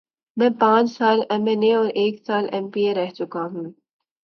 میں پانچ سال ایم این اے اور ایک سال ایم پی اے رہ چکا ہوں۔